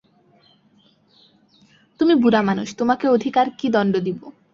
তুমি বুড়ামানুষ, তোমাকে অধিক আর কী দণ্ড দিব।